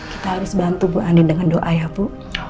kita harus bantu bu andin dengan doa ya bu